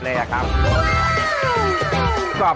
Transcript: ปู่พญานาคี่อยู่ในกล่อง